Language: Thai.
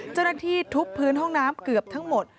เจ้าหน้าที่ทุบพื้นห้องน้ำเกือบทั้งหมด